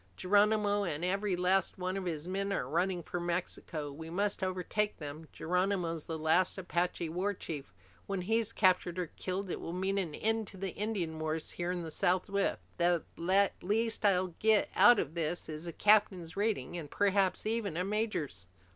Geronimo and every last one of his men are running for Mexico. We must overtake them. Geronimo's the last Apache war chief! When he's captured or killed, it will mean an end to Indian wars here in the Southwest! The least I'll get out of this is a captain's rating, and perhaps even a major's!"